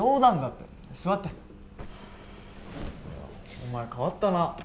お前変わったな。